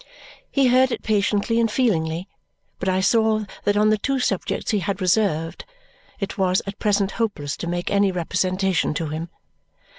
He heard it patiently and feelingly, but I saw that on the two subjects he had reserved it was at present hopeless to make any representation to him.